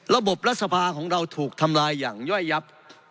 รัฐสภาของเราถูกทำลายอย่างย่อยยับ